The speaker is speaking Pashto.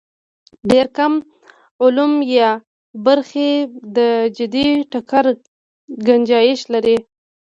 ډېر کم علوم یا برخې د جدي ټکر ګنجایش لري.